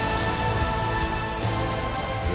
え？